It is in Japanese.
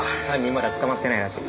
まだ捕まってないらしい。